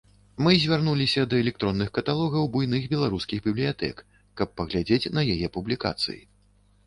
Мы звярнуліся да электронных каталогаў буйных беларускіх бібліятэк, каб паглядзець на яе публікацыі.